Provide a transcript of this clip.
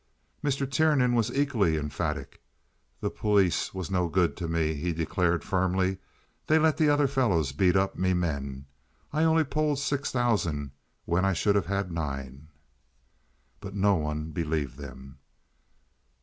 Mr. Tiernan was equally emphatic. "The police was no good to me," he declared, firmly. "They let the other fellows beat up me men. I only polled six thousand when I should have had nine." But no one believed them.